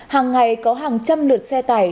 hàng ngày có hàng trăm lượt xe tải